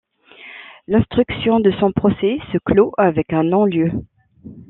L'instruction de son procès se clôt avec un non-lieu.